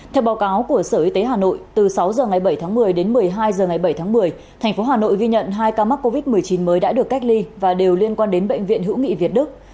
theo báo cáo của sở y tế hà nội từ sáu h ngày bảy tháng một mươi đến một mươi hai h ngày bảy tháng một mươi thành phố hà nội ghi nhận hai ca mắc covid một mươi chín mới đã được cách ly và đều liên quan đến bệnh viện hữu nghị việt đức